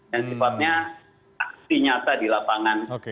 dan sifatnya aksi nyata di lapangan